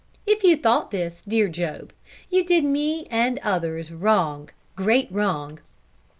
If you thought this, dear Job, you did me and others wrong, great wrong.